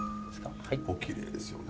おきれいですよね。